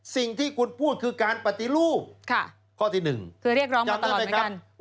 สิ่งที่คุณพูดคือการปฏิลูกข้อที่๑จำได้ไหมครับค่ะคือเรียกร้องมาตลอดไหมครับ